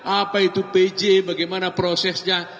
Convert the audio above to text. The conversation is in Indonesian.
apa itu pj bagaimana prosesnya